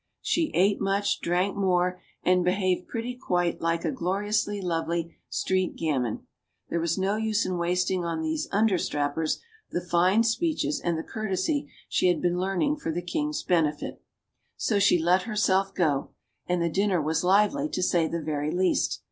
She ate much, drank more, and be haved pretty quite like a gloriously lovely street gamin. There was no use in wasting on these understrappers the fine speeches and the courtesy she had been learn MADAME DU BARRY 187 ing for the king's benefit. So she let herself go. And the dinner was lively, to say the very least.